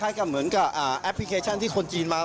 แล้วทำไมเรารู้ให้เขายังเป็นเด็กอยู่แล้ว